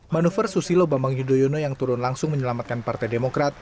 manuver susilo bambang yudhoyono yang turun langsung menyelamatkan partai demokrat